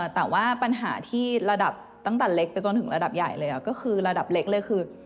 แต่ว่าปัญหาที่ระดับตั้งแต่เล็กไปจนถึงระดับใหญ่เลยก็คือระดับเล็กเลยคือ